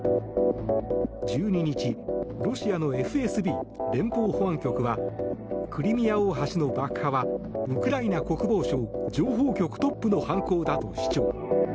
１２日ロシアのＦＳＢ・連邦保安局はクリミア大橋の爆破はウクライナ国防省情報局トップの犯行だと主張。